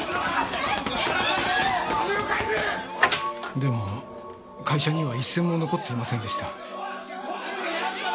でも会社には一銭も残っていませんでした。